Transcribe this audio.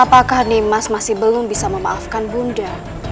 apakah nimas masih belum bisa memaafkan bunda